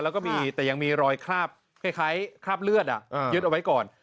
แล้วก็มีแต่ยังมีรอยคราบคล้ายคราบเลือดยึดเอาไว้ก่อน